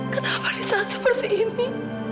kenapa di saat seperti ini